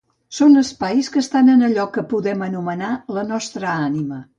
Són espais que estan en allò que podem anomenar la nostra ànima.